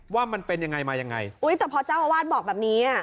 ว่ามันเป็นยังไงมายังไงอุ้ยแต่พอเจ้าอาวาสบอกแบบนี้อ่ะ